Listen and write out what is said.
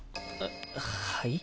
はい？